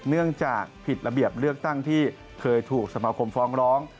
เนื่องจากผิดระเบียบเลือกตั้งที่เคยถูกสมาคมฟ้องร้อง